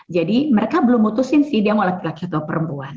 jadi mereka belum memutuskan sih dia mau laki laki atau perempuan